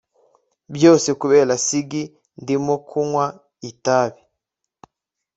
byose kubera ciggies ndimo kunywa itabi